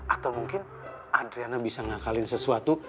atau mungkin adriana bisa ngakalin sesuatu